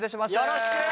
よろしく！